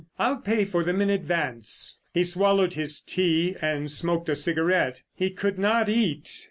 I'll pay for them in advance." He swallowed his tea and smoked a cigarette. He could not eat.